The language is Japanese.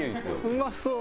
うまそう。